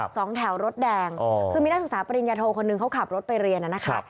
สองแถวรถแดงคือมีนักศึกษาปริญญาโทคนหนึ่งเขาขับรถไปเรียนนะครับ